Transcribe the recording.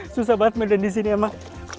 susah banget menemani di sini ya mak